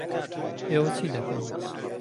ئێوە چی دەکەن؟